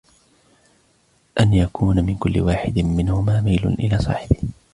أَنْ يَكُونَ مِنْ كُلِّ وَاحِدٍ مِنْهُمَا مَيْلٌ إلَى صَاحِبِهِ